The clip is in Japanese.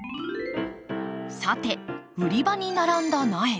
さて売り場に並んだ苗。